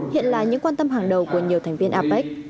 hiện là những quan tâm hàng đầu của nhiều thành viên apec